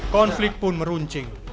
konflik pun meruncing